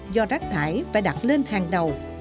do rác thải phải đặt lên hàng đầu